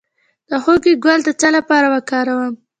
د هوږې ګل د څه لپاره وکاروم؟